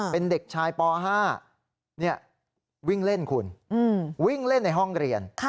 เป็นเด็กชายป๕วิ่งเล่นคุณวิ่งเล่นในห้องเรียน